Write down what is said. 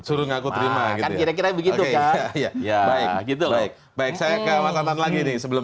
suruh aku terima kira kira begitu ya gitu baik baik saya ke masalah lagi nih sebelum